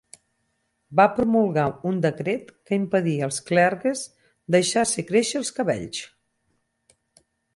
Va promulgar un decret que impedia als clergues deixar-se créixer els cabells.